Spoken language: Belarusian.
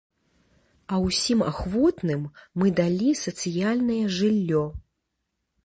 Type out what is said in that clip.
А ўсім ахвотным мы далі сацыяльнае жыллё!